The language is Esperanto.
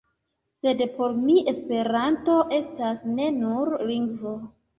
Sed por mi "Esperanto" estas ne nur lingvo.